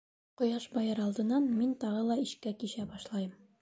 Ҡояш байыр алдынан мин тағы ла ишкәк ишә башлайым.